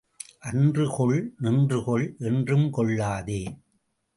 அன்று கொள், நின்று கொள், என்றும் கொள்ளாதே.